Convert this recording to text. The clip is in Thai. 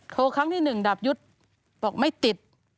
โทรครั้งที่หนึ่งดาบยุทธ์บอกไม่ติด